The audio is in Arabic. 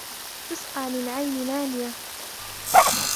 تسقى من عين آنية